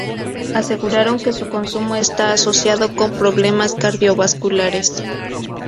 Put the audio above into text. Aseguraron que su consumo está asociado con problemas cardiovasculares.